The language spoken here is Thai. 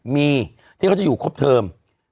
มีที่เขาจะอยู่ครบเทิม